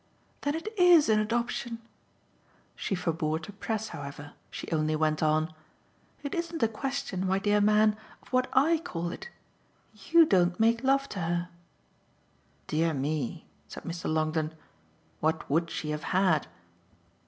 "Then it IS an adoption?" She forbore to press, however; she only went on: "It isn't a question, my dear man, of what I call it. YOU don't make love to her." "Dear me," said Mr. Longdon, "what would she have had?"